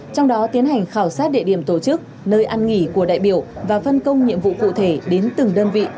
trong đó tiến hành khảo sát địa điểm tổ chức nơi ăn nghỉ của đại biểu và phân công nhiệm vụ cụ thể đến từng đơn vị